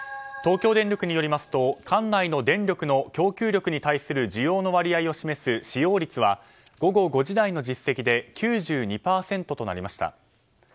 東京電力によりますと管内の電力の供給力に対する需要の割合を示す使用率は午後５時台の実績で９２％となりました。